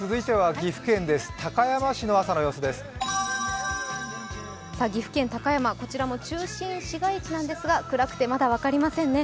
岐阜県高山、こちらも中心市街地ですが、暗くてまだ分かりませんね。